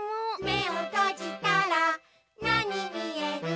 「めをとじたらなにみえる？」